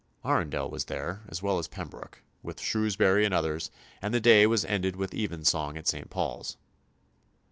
Arundel was there, as well as Pembroke, with Shrewsbury and others, and the day was ended with evensong at St. Paul's.